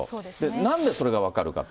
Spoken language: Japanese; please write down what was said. なんでそれが分かるかと。